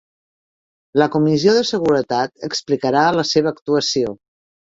La Comissió de Seguretat explicarà la seva actuació